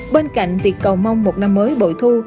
bên cạnh việc cầu mong một năm mới bội thu